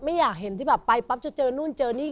ไม่อยากเห็นที่แบบไปปั๊บจะเจอนู่นเจอนี่